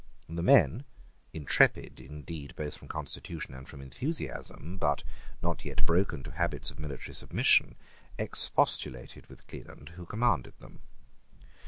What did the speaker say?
The men, intrepid, indeed, both from constitution and from enthusiasm, but not yet broken to habits of military submission, expostulated with Cleland, who commanded them.